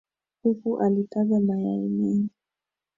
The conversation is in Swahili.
Kuku alitaga mayai mengi